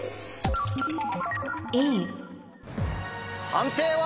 判定は？